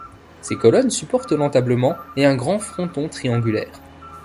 Ces colonnes supportent l'entablement et un grand fronton triangulaire.